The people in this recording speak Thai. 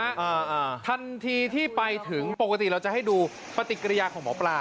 อ่าอ่าทันทีที่ไปถึงปกติเราจะให้ดูปฏิกิริยาของหมอปลา